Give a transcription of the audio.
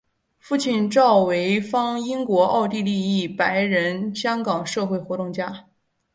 父亲邵维钫英国奥地利裔白人香港社会活动家。